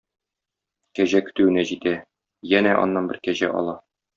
Кәҗә көтүенә җитә, янә аннан бер кәҗә ала.